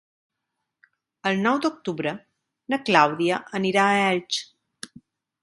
El nou d'octubre na Clàudia anirà a Elx.